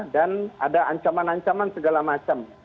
dan ada ancaman ancaman segala macam